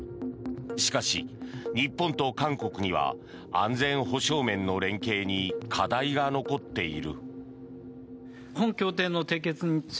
しかし、日本と韓国には安全保障面の連携に課題が残っている。